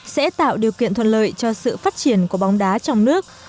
sẽ tạo điều kiện thuận lợi cho sự phát triển của bóng đá trong nước